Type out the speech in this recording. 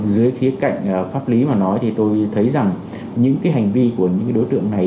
dưới khía cạnh pháp lý mà nói thì tôi thấy rằng những hành vi của những đối tượng này